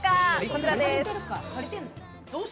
こちらです。